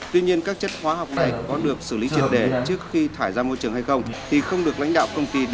tuy nhiên các chất hóa học này có được xử lý triệt đề trước khi thải ra môi trường hay không thì không được lãnh đạo công ty